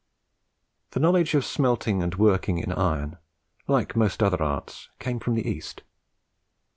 The knowledge of smelting and working in iron, like most other arts, came from the East.